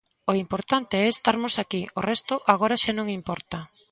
O importante é estarmos aquí, o resto agora xa non importa.